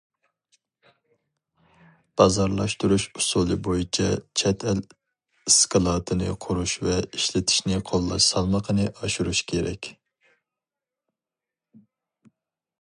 بازارلاشتۇرۇش ئۇسۇلى بويىچە چەت ئەل ئىسكىلاتىنى قۇرۇش ۋە ئىشلىتىشنى قوللاش سالمىقىنى ئاشۇرۇش كېرەك.